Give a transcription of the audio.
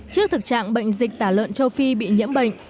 trước thực trạng bệnh dịch tả lợn châu phi bị nhiễm bệnh